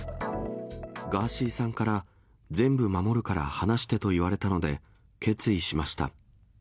ガーシーさんから全部守るから話してと言われたので、決意しました。